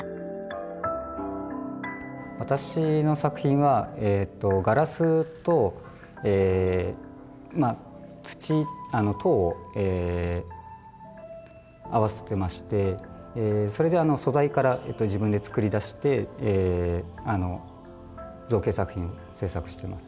私の作品はガラスと土陶を合わせてましてそれで素材から自分で作り出して造形作品を制作してます。